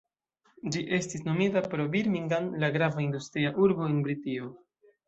Ĝi estis nomita pro Birmingham, la grava industria urbo en Britio.